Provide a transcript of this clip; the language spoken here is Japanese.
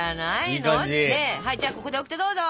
はいじゃあここでオキテどうぞ！